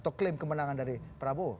atau klaim kemenangan dari prabowo